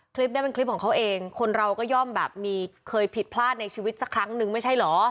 คลิปนี้เป็นคลิปของเขาเองคนเราก็ย่อมแบบมีเคยผิดพลาดในชีวิตสักครั้งนึงไม่ใช่เหรอ